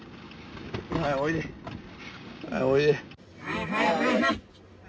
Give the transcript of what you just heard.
はいはいはいはい。